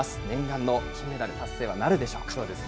念願の金メダル達成はなるでしょうか。